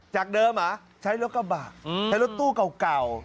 จากเดิมเหรอใช้รถกระบะใช้รถตู้เก่า